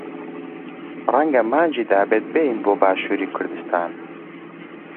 ڕەنگە مانگی دابێت بێین بۆ باشووری کوردستان.